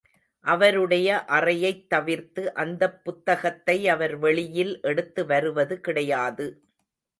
அவருடைய அறையைத் தவிர்த்து அந்தப் புத்தகத்தை அவர் வெளியில் எடுத்து வருவது கிடையாது.